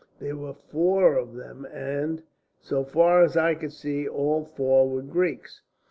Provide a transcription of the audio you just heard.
There were four of them, and, so far as I could see, all four were Greeks.